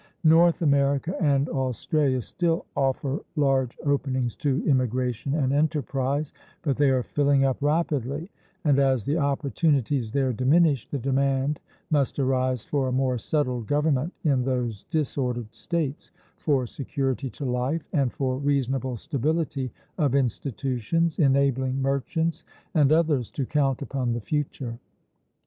North America and Australia still offer large openings to immigration and enterprise; but they are filling up rapidly, and as the opportunities there diminish, the demand must arise for a more settled government in those disordered States, for security to life and for reasonable stability of institutions enabling merchants and others to count upon the future.